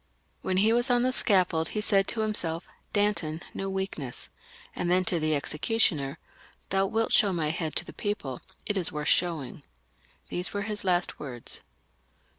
When he was on the scaffold he said to himself, " Danton, no weakness ;" and then to the executioner, " Thou wilt show my head to the people, it is worth showing." These were his L^t words.